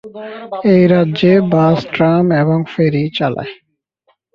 এটি রাজ্যে bus, tram এবং ফেরি চালায়।